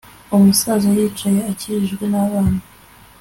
Umusaza yicaye akikijwe nabana